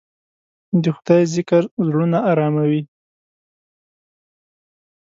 د خدای ذکر زړونه اراموي.